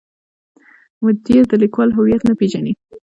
مدیر د لیکوال هویت نه پیژني.